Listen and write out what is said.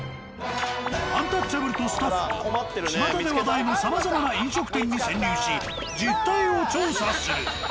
アンタッチャブルとスタッフがちまたで話題のさまざまな飲食店に潜入し実態を調査する。